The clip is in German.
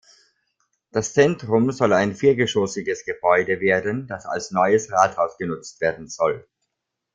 Das Zentrum soll ein viergeschossiges Gebäude werden, das als neues Rathaus genutzt werden soll.